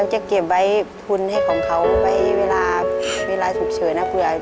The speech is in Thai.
เราจะเก็บไว้ทุนให้ของเขาไว้เวลาสุขเฉยนักเหลือ